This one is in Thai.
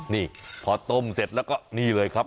นี่พอต้มเสร็จแล้วก็นี่เลยครับ